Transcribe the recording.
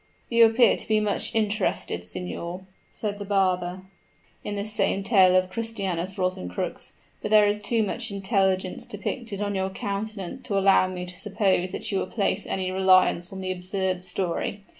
"You appear to be much interested, signor," said the barber, "in this same tale of Christianus Rosencrux. But there is too much intelligence depicted on your countenance to allow me to suppose that you will place any reliance on the absurd story.